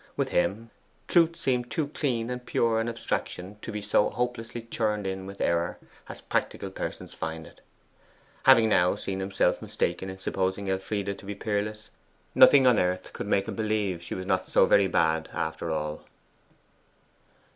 With him, truth seemed too clean and pure an abstraction to be so hopelessly churned in with error as practical persons find it. Having now seen himself mistaken in supposing Elfride to be peerless, nothing on earth could make him believe she was not so very bad after all.